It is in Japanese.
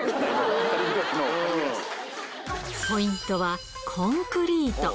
ポイントはコンクリート。